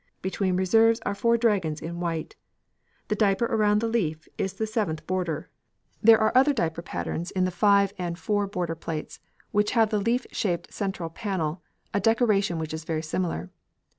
Between reserves are four dragons in white. The diaper around the leaf is the seventh border. There are other diaper patterns in the five and four border plates which have in the leaf shaped central panel a decoration which is very similar.